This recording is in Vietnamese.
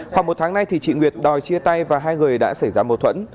khoảng một tháng nay thì chị nguyệt đòi chia tay và hai người đã xảy ra mâu thuẫn